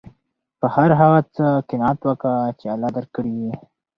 په هر هغه څه قناعت وکه، چي الله درکړي يي.